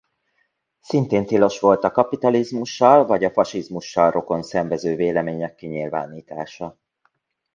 Szintén tilos volt a kapitalizmussal vagy a fasizmussal rokonszenvező vélemények kinyilvánítása.